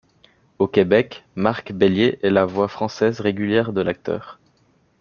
Au Québec, Marc Bellier est la voix française régulière de l'acteur.